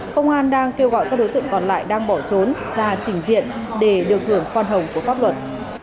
công an đang kêu gọi các đối tượng còn lại đang bỏ trốn ra trình diện để được hưởng khoan hồng của pháp luật